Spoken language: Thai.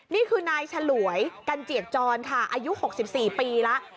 นี่คือนายฉลวยกันเจียกจรค่ะอายุ๖๔ปีแล้ว